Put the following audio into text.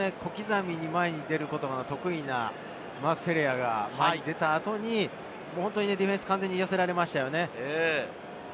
近いところの中で、小刻みに前に出ることが得意なマーク・テレアが前に出た後、ディフェンス、完全に寄せられましたよね。